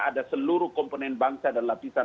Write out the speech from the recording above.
ada seluruh komponen bangsa dan lapisan